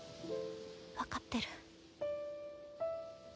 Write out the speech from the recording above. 分かってる。